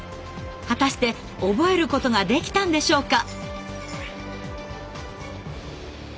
果たして覚えることができたんでしょうか？